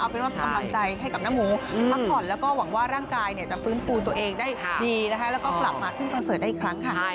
เป็นว่ากำลังใจให้กับน้าหมูพักผ่อนแล้วก็หวังว่าร่างกายจะฟื้นฟูตัวเองได้ดีนะคะแล้วก็กลับมาขึ้นคอนเสิร์ตได้อีกครั้งค่ะ